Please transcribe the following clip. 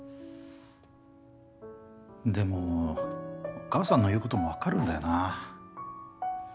でもお母さんの言うことも分かるんだよな。